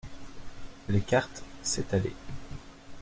Les cartes s'étalaient.